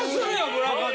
村上。